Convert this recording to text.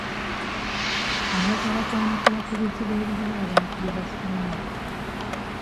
Ayagala kwanukula ku bizibu ebiriwo abantu bye basanga.